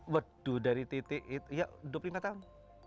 waduh dari titik itu ya dua puluh lima tahun